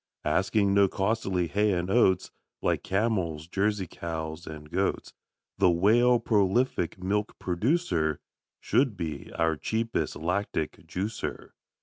Asking no costly hay and oats, Like camels, Jersey cows, and goats, The Whale, prolific milk producer, Should be our cheapest lactic juicer.